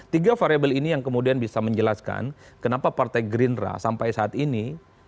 tiga variable ini yang kemudian bisa menjelaskan kenapa partai gerindra sampai saat ini